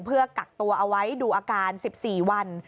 เพื่อกักตัวเอาไว้ดูอาการ๑๔วัน